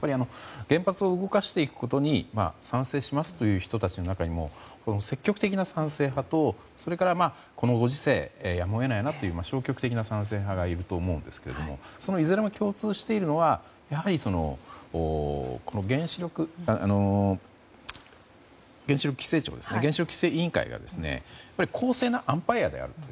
原発を動かしていくことに賛成しますという人たちの中にも積極的な賛成派とそれから、このご時世やむを得ないという消極的な賛成派がいると思いますがいずれも共通しているのはやはり原子力規制委員会が公正なアンパイアであると。